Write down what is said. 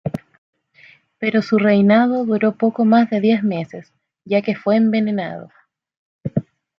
Pero su reinado duro poco más de diez meses, ya que fue envenenado.